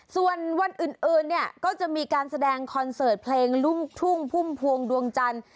ส่วนวันอื่นเนี่ยก็จะมีการแสดงคอนเสิร์ตเพลงลูกทุ่งพุ่มพวงดวงจันทร์